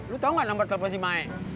lo tahu gak nomor telepon si mae